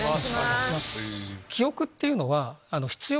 記憶っていうのは。